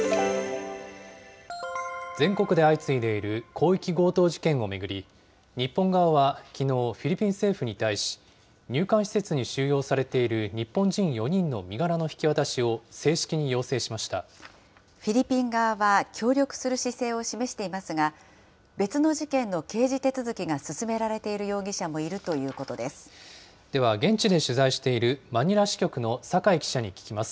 全国で相次いでいる広域強盗事件を巡り、日本側はきのう、フィリピン政府に対し、入管施設に収容されている日本人４人の身柄の引き渡しを正式に要フィリピン側は協力する姿勢を示していますが、別の事件の刑事手続きが進められている容疑者もいるということででは現地で取材している、マニラ支局の酒井記者に聞きます。